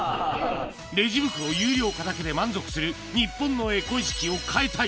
レジ袋有料化だけで満足する、日本のエコ意識を変えたい。